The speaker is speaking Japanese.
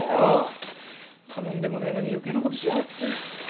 頼んでもねえのに余計なことしやがって。